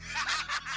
diadu sama banteng